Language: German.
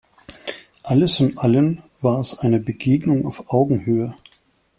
Alles in allem war es eine Begegnung auf Augenhöhe.